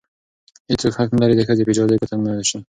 هیڅ څوک حق نه لري د ښځې په اجازې کور ته دننه شي.